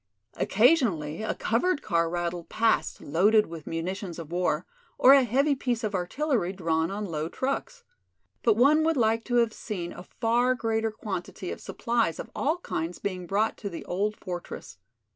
Occasionally a covered car rattled past loaded with munitions of war, or a heavy piece of artillery drawn on low trucks. But one would like to have seen a far greater quantity of supplies of all kinds being brought to the old fortress.